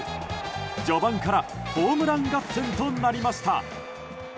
序盤からホームラン合戦となりました。